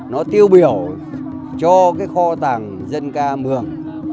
nó tiêu biểu cho cái kho tàng dân ca mường